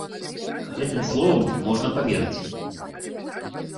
Гэтым словам можна паверыць.